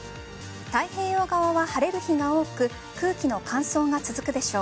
太平洋側は晴れる日が多く空気の乾燥が続くでしょう。